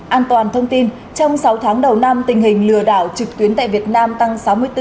an toàn thông tin trong sáu tháng đầu năm tình hình lừa đảo trực tuyến tại việt nam tăng sáu mươi bốn bảy mươi tám